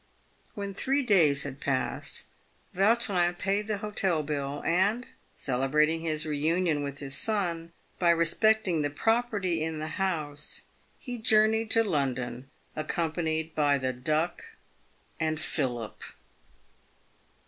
When three days had passed, Vautrin paid the hotel bill, and, celebrating his reunion with his son by respecting the property in the house, he journeyed to London accompanied by the Duck and Philip.